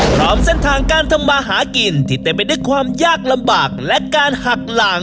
พร้อมเส้นทางการทำมาหากินที่เต็มไปด้วยความยากลำบากและการหักหลาง